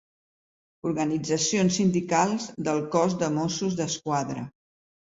Organitzacions sindicals del cos de Mossos d'Esquadra.